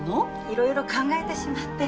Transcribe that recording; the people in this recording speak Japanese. いろいろ考えてしまって。